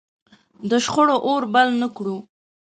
د شخړو اور بل نه کړو.